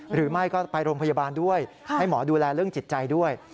หรือไม่ก็ไปโรงพยาบาลด้วยให้หมอดูแลเรื่องจิตใจด้วย